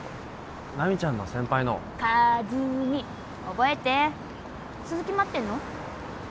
奈未ちゃんの先輩のかずみ覚えて鈴木待ってんの？